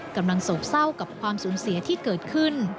โศกเศร้ากับความสูญเสียที่เกิดขึ้น